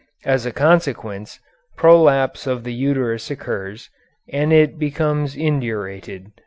As a consequence, prolapse of the uterus occurs, and it becomes indurated.